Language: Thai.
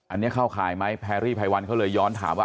อันนี้เข้าข่ายไหมแพรรี่ไพวันเขาเลยย้อนถามว่า